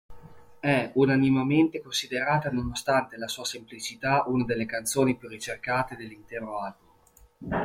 È unanimemente considerata, nonostante la sua semplicità, una delle canzoni più ricercate dell'intero album.